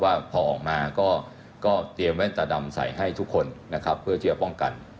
ว่าพอออกมาก็เตรียมแว่นตาดำใส่ให้ทุกคนนะครับเพื่อที่จะป้องกัน